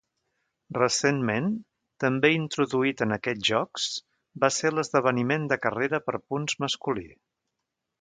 Recentment, també introduït en aquests jocs, va ser l'esdeveniment de carrera per punts masculí.